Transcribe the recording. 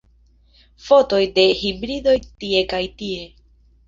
Fotoj de hibridoj tie kaj tie.